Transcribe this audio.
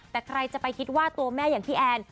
แต่ใครจะไปคิดว่าตัวแม่อย่างพี่แอน